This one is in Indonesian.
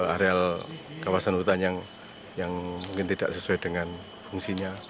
areal kawasan hutan yang mungkin tidak sesuai dengan fungsinya